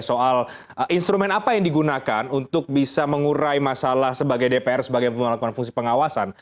soal instrumen apa yang digunakan untuk bisa mengurai masalah sebagai dpr sebagai yang melakukan fungsi pengawasan